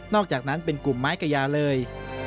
อกจากนั้นเป็นกลุ่มไม้กระยาเลย